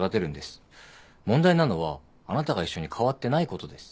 問題なのはあなたが一緒に変わってないことです。